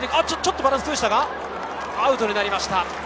ちょっとバランスを崩したか、アウトになりました。